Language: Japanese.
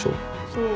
そう。